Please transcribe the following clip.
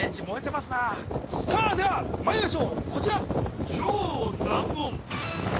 燃えてますなさあではまいりましょうこちら